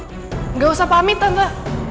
nggak usah pamit tante